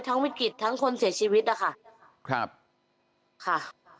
วิกฤตทั้งคนเสียชีวิตนะคะครับค่ะ